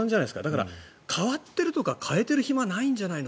だから、変わっているとか変えている暇ないんじゃないの？